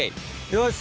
よし。